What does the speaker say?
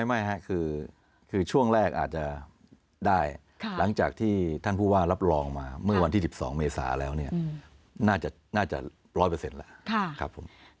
ไม่ครับคือช่วงแรกอาจจะได้หลังจากที่ท่านผู้ว่ารับรองมาเมื่อวันที่๑๒เมษาแล้วเนี่ยน่าจะ๑๐๐แล้วครับผม